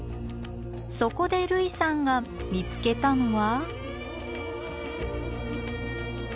そこで類さんが見つけたのは。